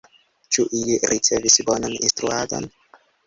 Ĉu ili ricevis bonan instruadon?